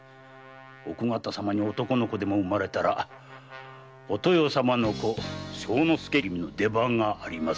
奥方様に男の子でも生まれたらお豊様の子・正之助君の出番がありませぬゆえな。